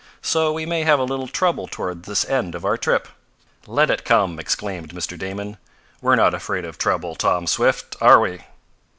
So we may have a little trouble toward this end of our trip." "Let it come!" exclaimed Mr. Damon. "We're not afraid of trouble, Tom Swift, are we?"